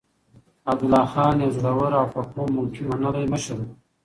عبدالله خان يو زړور او په قوم کې منلی مشر و.